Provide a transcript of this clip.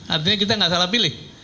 artinya kita nggak salah pilih